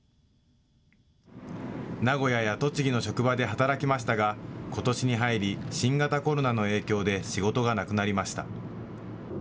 名古屋や栃木の職場で働きましたが、ことしに入り新型コロナの影響で仕事がなくなりました。